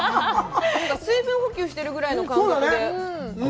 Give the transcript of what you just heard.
水分補給してるぐらいの感覚で。